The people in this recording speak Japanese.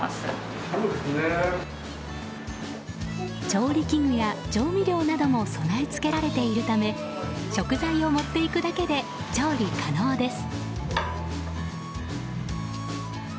調理器具や調味料なども備え付けられているため食材を持っていくだけで調理可能です。